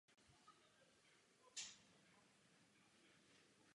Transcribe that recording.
Obec leží na jihozápadě departementu Oise.